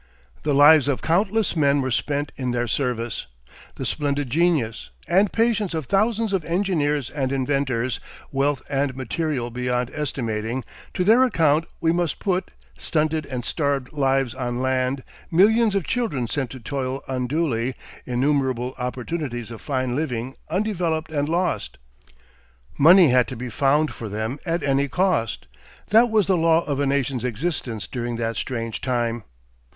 The lives of countless men were spent in their service, the splendid genius, and patience of thousands of engineers and inventors, wealth and material beyond estimating; to their account we must put, stunted and starved lives on land, millions of children sent to toil unduly, innumerable opportunities of fine living undeveloped and lost. Money had to be found for them at any cost that was the law of a nation's existence during that strange time.